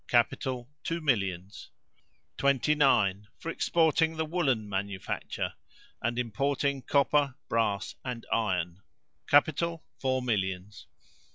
Capital, two millions. 29. For exporting the woollen manufacture, and importing copper, brass, and iron. Capital, four millions.